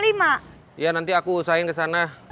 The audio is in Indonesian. iya nanti aku usahain ke sana